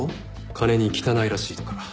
金に汚いらしいとか。